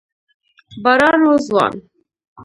باران و ځوان